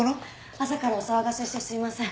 朝からお騒がせしてすいません。